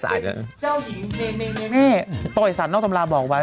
เจ้าหญิงเมเมเมต่ออีสันนอกสำราบบอกไว้